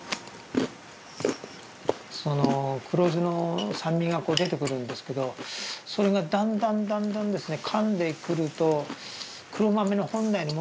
その黒酢の酸味が出てくるんですけどそれがだんだんだんだんですね